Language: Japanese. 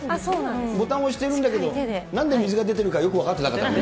ボタンを押してるんだけど、なんで水が出てるかよく分かってはい。